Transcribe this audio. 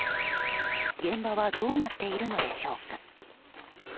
現場はどうなっているのでしょうか。